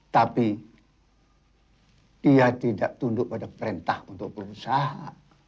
tapi dia tidak tunduk pada perintah untuk berusaha